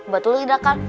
betul ya kal